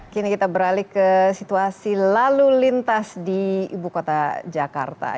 kini kita beralih ke situasi lalu lintas di ibu kota jakarta